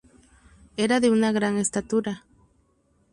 Era de una gran estatura.